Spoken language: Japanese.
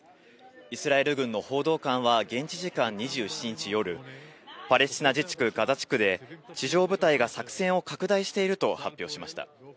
イスラエル軍の報道官は現地時間２７日夜、パレスチナ自治区ガザ地区で地上部隊が作戦を拡大していると発表しました。